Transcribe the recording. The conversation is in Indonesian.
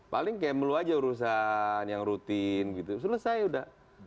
paling kayak melu saja urusan yang rutin gitu selesai sudah